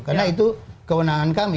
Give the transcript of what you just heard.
karena itu kewenangan kami